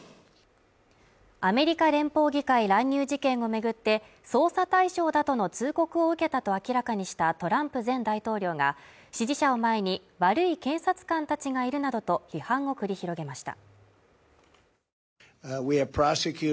アメリカ連邦議会乱入事件を巡って捜査対象だとの通告を受けたと明らかにしたトランプ前大統領が支持者を前に、悪い警察官たちがいるなどと批判を繰り広げました。